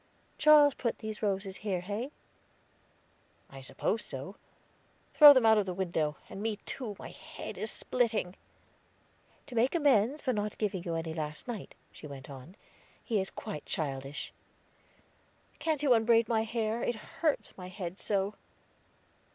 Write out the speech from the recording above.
"Charles put these roses here, hey?" "I suppose so; throw them out of the window, and me too; my head is splitting." "To make amends for not giving you any last night," she went on; "he is quite childish." "Can't you unbraid my hair, it hurts my head so?"